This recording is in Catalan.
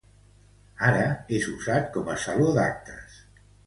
Ara, és usat com a saló d'actes